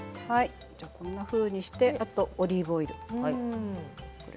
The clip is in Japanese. こんなふうにしてあとはオリーブオイル。